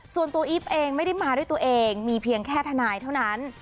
อีฟเองไม่ได้มาด้วยตัวเองมีเพียงแค่ทนายเท่านั้น